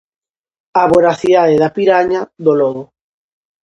A voracidade da piraña, do lobo.